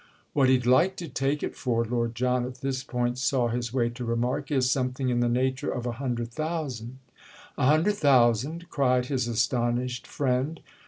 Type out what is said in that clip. "What he'd like to take it for," Lord John at this point saw his way to remark, "is something in the nature of a Hundred Thousand." "A Hundred Thousand?" cried his astonished friend.